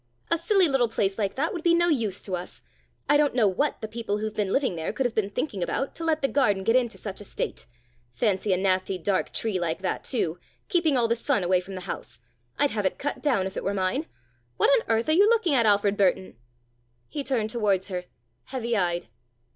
"A silly little place like that would be no use to us. I don't know what the people who've been living there could have been thinking about, to let the garden get into such a state. Fancy a nasty dark tree like that, too, keeping all the sun away from the house! I'd have it cut down if it were mine. What on earth are you looking at, Alfred Burton?" He turned towards her, heavy eyed.